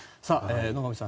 野上さん